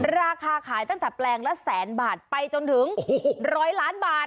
ราคาขายตั้งแต่แปลงละแสนบาทไปจนถึง๑๐๐ล้านบาท